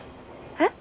えっ？